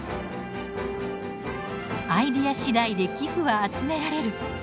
アイデア次第で寄付は集められる。